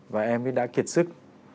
và em ấy đã kiệt sức